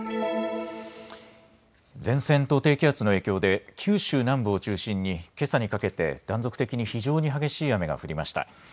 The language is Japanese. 前線と低気圧の影響で九州南部を中心にけさにかけて断続的に非常に激しい雨が降りました。